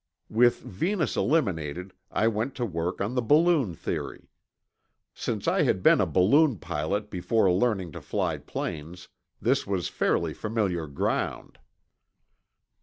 With Venus eliminated, I went to work on the balloon theory. Since I had been a balloon pilot before learning to fly planes, this was fairly familiar ground.